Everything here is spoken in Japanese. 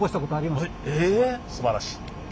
すばらしい。